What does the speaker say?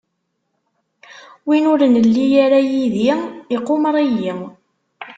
Win ur nelli ara yid-i iqumer-iyi.